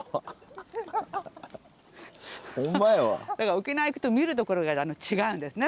沖縄行くと見るところが違うんですね